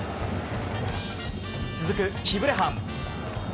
続くキブレハン。